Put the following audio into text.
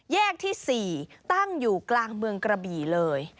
แยกที่๔ตั้งอยู่กลางเมืองกระบี่เลย